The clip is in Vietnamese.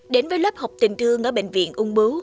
đến với lớp học tình thương ở bệnh viện ung bú